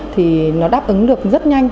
thì nó đáp ứng được rất nhanh